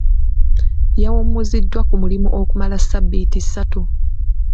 Yawummuziddwa ku mulimu okumala sabbiiti ssatu.